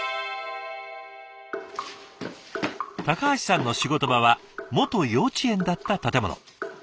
橋さんの仕事場は元幼稚園だった建物。